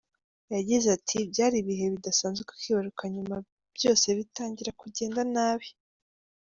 Yagize ati "Byari ibihe bidasanzwe kwibaruka nyuma byose bitangira kugenda nabi.